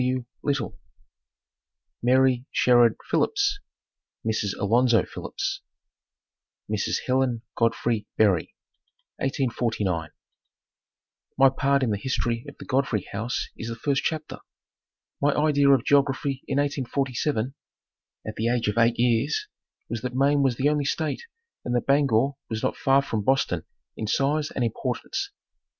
W. Little) MARY SHERRARD PHILLIPS (Mrs. Alonzo Phillips) Mrs. Helen Godfrey Berry 1849. My part in the history of the Godfrey house is the first chapter. My idea of geography in 1847 at the age of eight years was that Maine was the only state and that Bangor was not far from Boston in size and importance.